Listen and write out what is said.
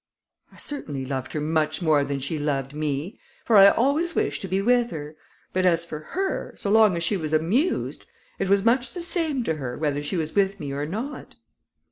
"I certainly loved her much more than she loved me, for I always wished to be with her; but as for her, so long as she was amused, it was much the same to her whether she was with me or not."